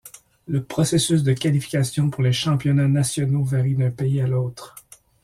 Le processus de qualification pour les championnats nationaux varient d'un pays à l'autre.